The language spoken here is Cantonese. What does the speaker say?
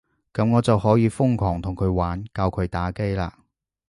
噉我就可以瘋狂同佢玩，教佢打機喇